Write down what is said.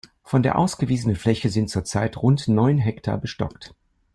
Von der ausgewiesenen Fläche sind zurzeit rund neun Hektar bestockt.